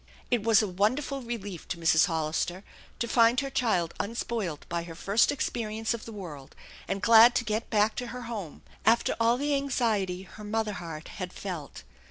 It was a wonderful relief to Mrs. Hollister to find her child unspoiled by her first experience of the world and glad to get back to her home, after all the anxiety her mother heart had felt.